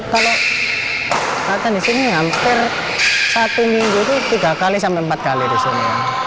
kalau datang di sini hampir satu minggu itu tiga kali sampai empat kali di sini